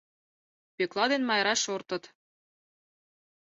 Пӧкла ден Майра шортыт.